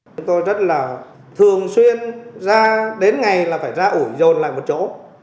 chúng tôi rất là thường xuyên ra đến ngày là phải ra ủ dồn lại một chỗ